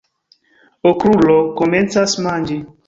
Okrulo komencas manĝi.